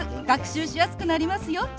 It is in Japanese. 学習しやすくなりますよ。